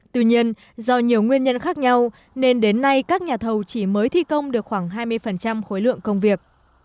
tuy nhiên do nhiều nguyên nhân khác nhau nên đến nay các nhà thầu chỉ mới thi công được khoảng hai mươi khối lượng công việc